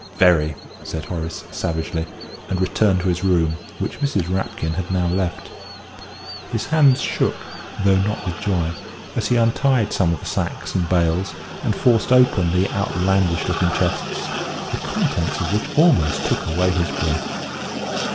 "Very!" said Horace, savagely, and returned to his room, which Mrs. Rapkin had now left. His hands shook, though not with joy, as he untied some of the sacks and bales and forced open the outlandish looking chests, the contents of which almost took away his breath.